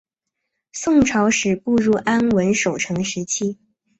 宋朝始步入安稳守成时期。